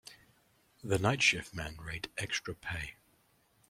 The night shift men rate extra pay.